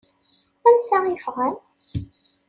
Ansa i ffɣen?